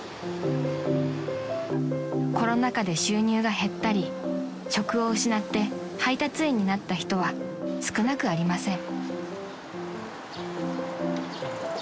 ［コロナ禍で収入が減ったり職を失って配達員になった人は少なくありません］